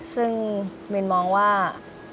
ซึ่งมินมองว่า